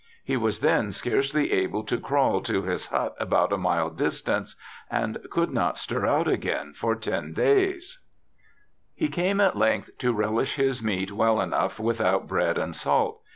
He was then scarcely able to crawl to his hut about a mile distant, and could not stir out again for ten days, ' He came at length to relish his meat well enough without bread and salt.